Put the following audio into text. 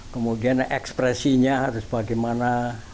kemudian ekspresinya harus bagaimana